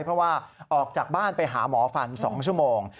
เพราะว่าออกจากบ้านไปหาหมอฟัน๒ชั่วโมง